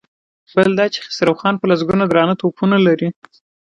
بل دا چې خسرو خان په لسګونو درانه توپونه لري.